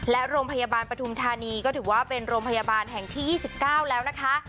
และโรงพยาบาลปฐุมธานีก็ถือว่าเป็นโรงพยาบาลแห่งที่๒๙แล้วนะคะ